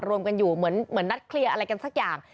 รวมกันอยู่เหมือนนัดเคลียร์อะไรกันสักอย่าง